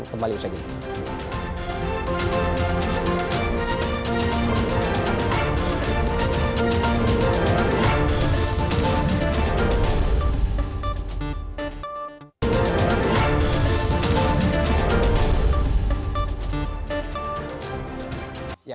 kembali usaha kita